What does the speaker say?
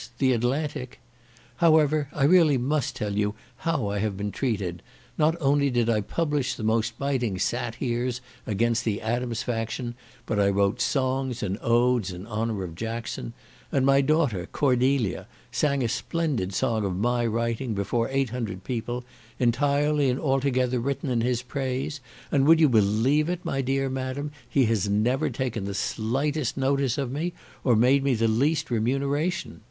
the Atlantic! However, I really must tell you how I have been treated: not only did I publish the most biting sat heres against the Adams faction, but I wrote songs and odes in honour of Jackson; and my daughter, Cordelia, sang a splendid song of my writing, before eight hundred people, entirely and altogether written in his praise; and would you believe it, my dear madam, he has never taken the slightest notice of me, or made me the least remuneration.